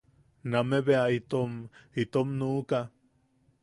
Name bea itom... itom nuʼuka.